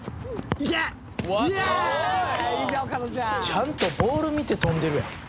「ちゃんとボール見て跳んでるやん」